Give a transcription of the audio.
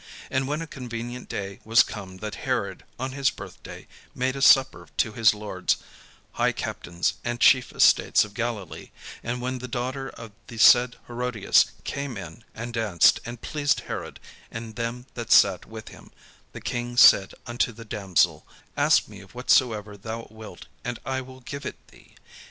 And when a convenient day was come that Herod on his birthday made a supper to his lords, high captains, and chief estates of Galilee; and when the daughter of the said Herodias came in, and danced, and pleased Herod and them that sat with him, the king said unto the damsel: "Ask of me whatsoever thou wilt and I will give it thee."